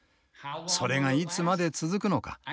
それがいつまで続くのか。